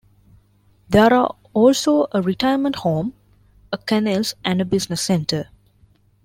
There are also a retirement home, a kennels and a business centre.